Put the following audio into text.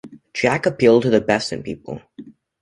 Jack appealed to the best in people.